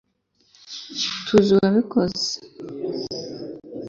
tuzi uwabikoze